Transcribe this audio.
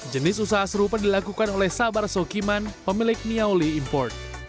jenis usaha serupa dilakukan oleh sabar sokiman pemilik niaoli import